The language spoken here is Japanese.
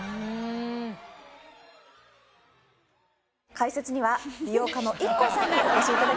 解説には美容家のＩＫＫＯさんにお越しいただきました。